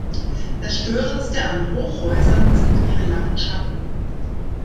Das störendste an Hochhäusern sind ihre langen Schatten.